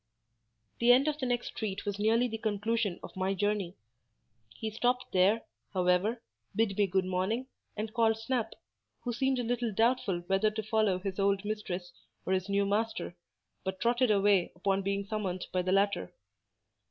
The end of the next street was nearly the conclusion of my journey. He stopped there, however, bid me good morning, and called Snap, who seemed a little doubtful whether to follow his old mistress or his new master, but trotted away upon being summoned by the latter.